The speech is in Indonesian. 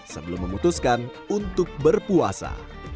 sebelum memutuskan untuk berpuasa